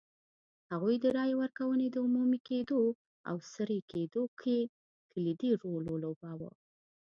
هغوی د رایې ورکونې د عمومي کېدو او سري کېدو کې کلیدي رول ولوباوه.